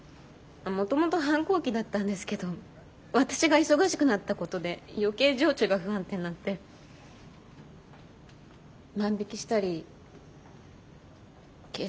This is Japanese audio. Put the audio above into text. もともと反抗期だったんですけど私が忙しくなったことで余計情緒が不安定になって万引きしたり警察に補導されたり。